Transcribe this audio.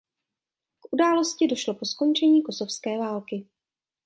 K události došlo po skončení kosovské války.